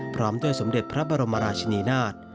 พร้อมด้วยสมเด็จพระบรมราชินีนาฏ